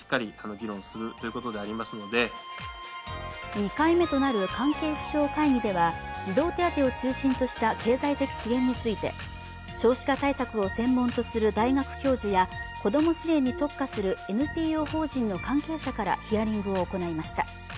２回目となる関係府省会議では、児童手当を中心とした経済的支援について少子化対策を専門とする大学教授やこども支援に特化するＮＰＯ法人の関係者からヒアリングを行いました。